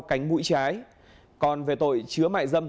cánh mũi trái